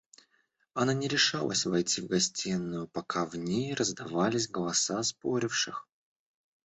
Она не решалась войти в гостиную, пока в ней раздавались голоса споривших.